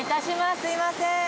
すいません。